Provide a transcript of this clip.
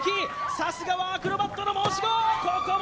さすがはアクロバットの申し子！